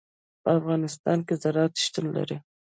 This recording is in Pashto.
په افغانستان کې زراعت شتون لري.